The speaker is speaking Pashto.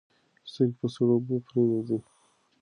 سترګې په سړو اوبو پریمنځئ.